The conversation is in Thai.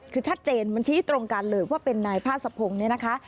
คือชัดเจนมันชี้ตรงกันเลยว่าเป็นนายพาสะพงศ์เนี่ยนะคะ